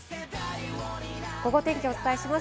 ゴゴ天気をお伝えします。